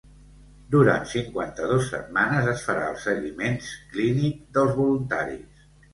Durant cinquanta-dos setmanes es farà el seguiment clínic dels voluntaris.